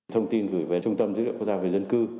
thông tin gửi về trung tâm dữ liệu quốc gia về dân cư